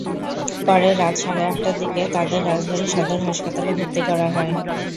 পরে রাত সাড়ে আটটার দিকে তাদের রাজবাড়ী সদর হাসপাতালে ভর্তি করা হয়।